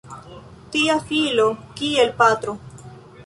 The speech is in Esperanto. Tia filo kiel patro!